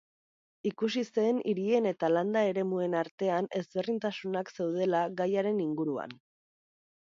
Ikusi zen hirien eta landa eremuen artean ezberdintasunak zeudela gaiaren inguruan.